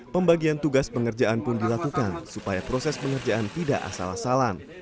pembagian tugas pengerjaan pun dilakukan supaya proses pengerjaan tidak asal asalan